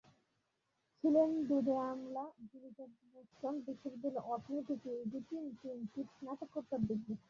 ছিলেন দুঁদে আমলা, ঝুড়িতে বোস্টন বিশ্ববিদ্যালয়ের অর্থনীতির পিএইচডি, তিন তিনটি স্নাতোকোত্তর ডিগ্রি।